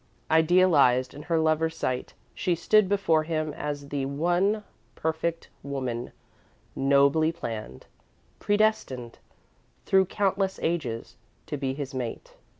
Idealised in her lover's sight, she stood before him as the one "perfect woman, nobly planned," predestined, through countless ages, to be his mate.